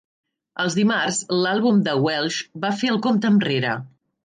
Els dimarts l"àlbum de Welsh va fer el compte enrere.